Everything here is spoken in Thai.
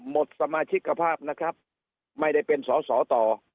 หมดสมาชิกภาพนะครับไม่ได้เป็นสอสอต่อ